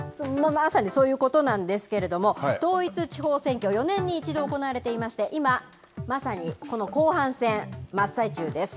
まさにそういうことなんですけれども、統一地方選挙、４年に１度行われていまして、今、まさにこの後半戦、真っ最中です。